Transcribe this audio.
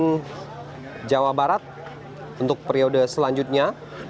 apa yang akan dimimpin jawa barat untuk periode selanjutnya